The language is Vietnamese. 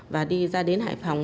và đi ra đến hải phòng